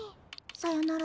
さよなら。